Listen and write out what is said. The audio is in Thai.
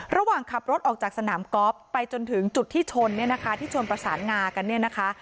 ระหว่างขับรถออกจากสนามกอล์ฟไปจนถึงจุดที่ชนเนี่ยนะคะที่ชนประสานงากันเนี่ยนะคะ